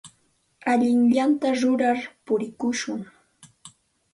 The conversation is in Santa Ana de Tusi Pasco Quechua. Allinllata rurar purikushun.